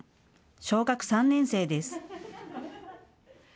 小学３年生です。